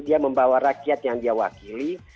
dia membawa rakyat yang dia wakili